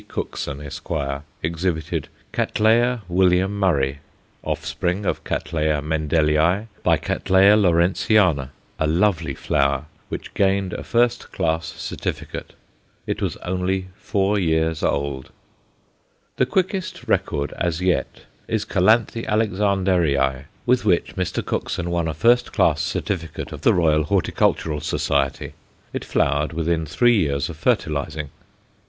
Cookson, Esq., exhibited Catt. William Murray, offspring of Catt. Mendellii × Catt. Lawrenceana, a lovely flower which gained a first class certificate. It was only four years old. The quickest record as yet is Calanthe Alexanderii, with which Mr. Cookson won a first class certificate of the Royal Horticultural Society. It flowered within three years of fertilizing.